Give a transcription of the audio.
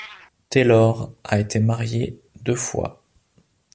Taylor a été marié deux fois.